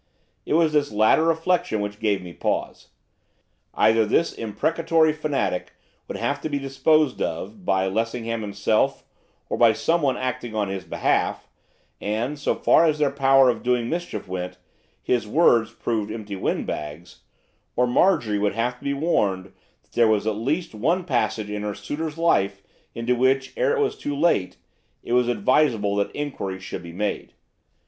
It was this latter reflection which gave me pause. Either this imprecatory fanatic would have to be disposed of, by Lessingham himself, or by someone acting on his behalf, and, so far as their power of doing mischief went, his big words proved empty windbags, or Marjorie would have to be warned that there was at least one passage in her suitor's life, into which, ere it was too late, it was advisable that inquiry should be made.